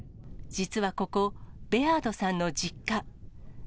実はここ、ベアードさんの実家。